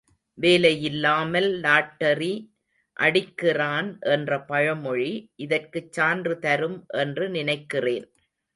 வேலையில்லாமல் lottery அடிக்கிறான் என்ற பழமொழி இதற்குச் சான்று தரும் என்று நினைக்கிறேன்.